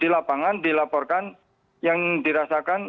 di lapangan dilaporkan yang dirasakan